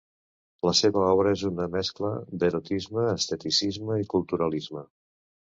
La seva obra és una mescla d'erotisme, esteticisme i culturalisme.